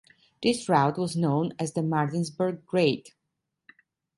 This route was known as the Martinsburg Grade.